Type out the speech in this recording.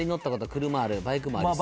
車あるバイクもありそうま